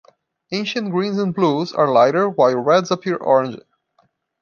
Ancient greens and blues are lighter while reds appear orange.